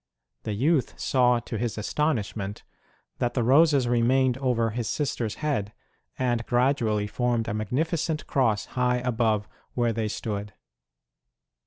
The youth saw to his astonishment that the roses remained over his sister s head, and gradually formed a magnificent cross high above where they stood.